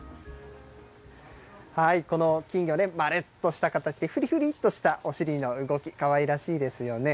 この金魚、丸っとした形、ふりふりっとしたお尻の動き、かわいらしいですよね。